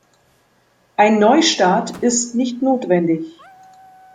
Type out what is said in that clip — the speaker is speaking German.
Ein Neustart ist nicht notwendig.